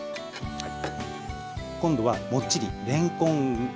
はい。